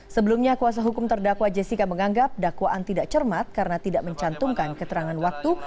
sebelumnya kuasa hukum terdakwa jessica menganggap dakwaan tidak cermat karena tidak mencantumkan keterangan waktu